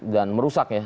dan merusak ya